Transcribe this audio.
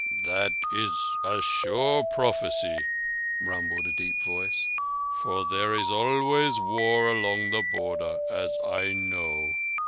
"That is a sure prophecy," rumbled a deep voice. "For there is always war along the Border—as I know."